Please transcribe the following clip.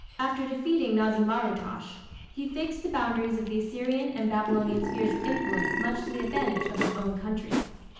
After defeating Na´zi mar ut´tash, he fixed the boundaries of the Assyrian and Babylonian spheres of influence much to the advantage of his own country.